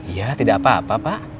iya tidak apa apa pak